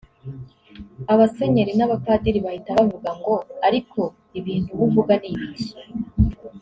Abasenyeri n’abapadiri bahita bavuga ngo ariko ibintu uba uvuga ni ibiki